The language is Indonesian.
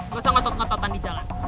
nggak usah ngotot ngototan di jalan